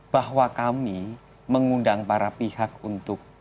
bahwa kami mengundang para pihak untuk